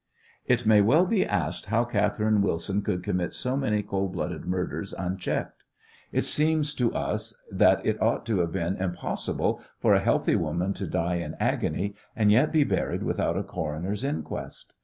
It may well be asked how Catherine Wilson could commit so many cold blooded murders unchecked. It seems to us that it ought to have been impossible for a healthy woman to die in agony and yet be buried without a coroner's inquest.